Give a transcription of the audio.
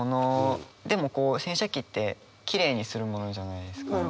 でもこう洗車機ってきれいにするものじゃないですか。